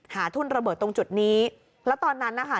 ทุ่นระเบิดตรงจุดนี้แล้วตอนนั้นนะคะ